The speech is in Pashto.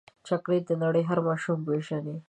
چاکلېټ د نړۍ هر ماشوم پیژني.